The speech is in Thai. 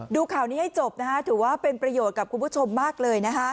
ดูข่าวนี้ให้จบถือว่าเป็นประโยชน์กับคุณผู้ชมมากเลย